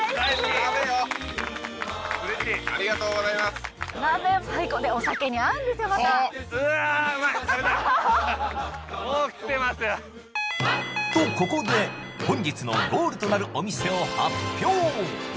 食べたい！とここで本日のゴールとなるお店を発表